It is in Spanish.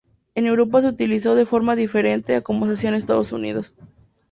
En Europa se utilizó de forma diferente a como se hacía en Estados Unidos.